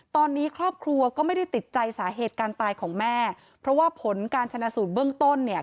ตอนนี้ครอบครัวก็ไม่ได้ติดใจสาเหตุการตายของแม่เพราะว่าผลการชนะสูตรเบื้องต้นเนี่ย